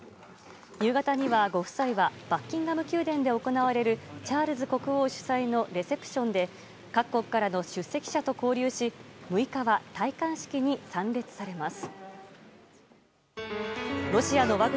夕方には、ご夫妻はバッキンガム宮殿で行われるチャールズ国王主催のレセプションで各国からの出席者と交流し６日は戴冠式に参列されます。